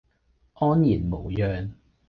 安然無恙